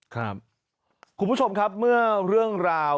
คุณผู้ชมครับเมื่อเรื่องราว